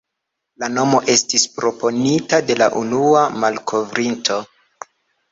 La nomo estis proponita de la unua malkovrinto.